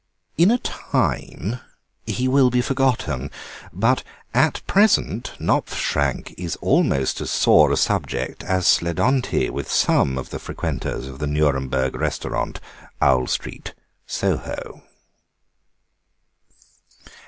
In time he will be forgotten, but at present Knopfschrank is almost as sore a subject as Sledonti with some of the frequenters of the Nuremberg Restaurant, Owl Street, Soho.